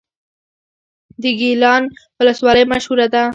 د ګیلان ولسوالۍ مشهوره ده